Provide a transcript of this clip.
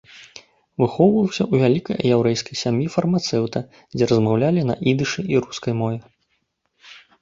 Выхоўваўся ў вялікай яўрэйскай сям'і фармацэўта, дзе размаўлялі на ідышы і рускай мове.